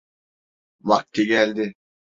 Vakti geldi.